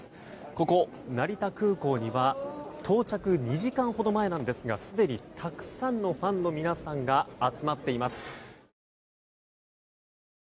ここ成田空港には到着２時間ほど前なんですがすでにたくさんのファンの皆さんが集まっています。